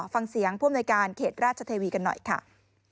ฟังเสียงผู้อำนวยการเขตราชเทวีกันหน่อยค่ะ